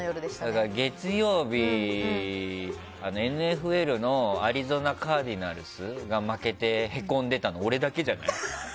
だから月曜日、ＮＦＬのアリゾナ・カージナルスが負けてへこんでたの俺だけじゃない？